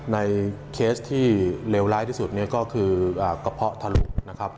เคสที่เลวร้ายที่สุดเนี่ยก็คือกระเพาะทะลุนะครับ